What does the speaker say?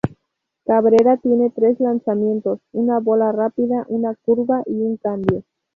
Cabrera tiene tres lanzamientos: una bola rápida, una curva, y un cambio.